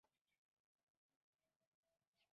خوب د بدن توازن برابروي